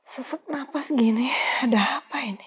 sesek napas gini ada apa ini